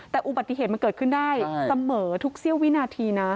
แต่อุบัติเหตุมันเกิดขึ้นได้เสมอทุกเสี้ยววินาทีนะ